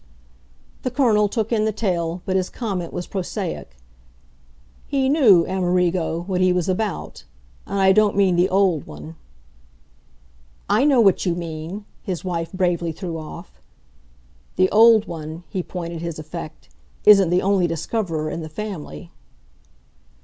The Colonel took in the tale, but his comment was prosaic. "He knew, Amerigo, what he was about. And I don't mean the OLD one." "I know what you mean!" his wife bravely threw off. "The old one" he pointed his effect "isn't the only discoverer in the family."